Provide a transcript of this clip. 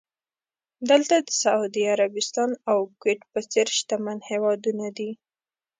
دلته د سعودي عربستان او کوېټ په څېر شتمن هېوادونه دي.